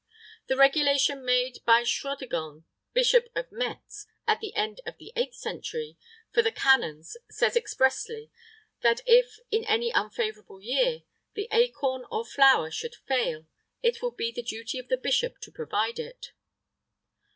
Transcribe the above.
The regulation made by Chrodegand, Bishop of Metz, about the end of the 8th century, for the canons, says expressly[III 6] that if, in an unfavorable year, the acorn or flour should fail, it will be the duty of the bishop to provide it.